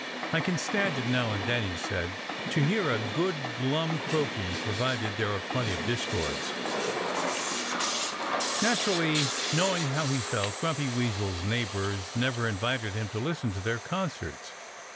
"I can stand it now and then," he said, "to hear a good, glum croaking, provided there are plenty of discords." Naturally, knowing how he felt, Grumpy Weasel's neighbors never invited him to listen to their concerts.